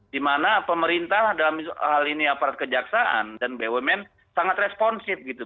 dimana pemerintah dalam hal ini aparat kejaksaan dan bumn sangat responsif gitu